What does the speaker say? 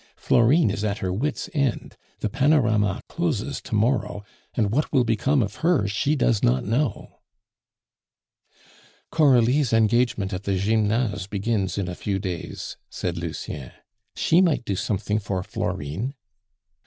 Florine is at her wits' end; the Panorama closes to morrow, and what will become of her she does not know." "Coralie's engagement at the Gymnase begins in a few days," said Lucien; "she might do something for Florine."